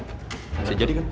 harusnya jadi kan